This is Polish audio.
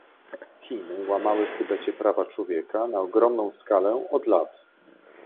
Chiny łamały w Tybecie prawa człowieka na ogromną skalę od lat